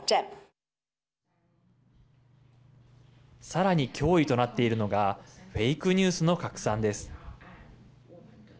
さらに脅威となっているのがフェイクニュースの拡散です。